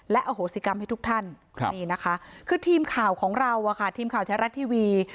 และอโหสิกรรมให้ทุกท่านนี่นะคะคือทีมข่าวของเราทีมข่าวแท้รัฐทีวี